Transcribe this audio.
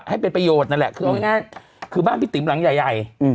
ให้เป็นประโยชน์นั่นแหละคือบ้านพี่ติ๋มหลังใหญ่ใหญ่อืม